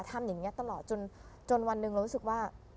ทำอย่างนี้ตลอดจนวันหนึ่งเรารู้สึกว่า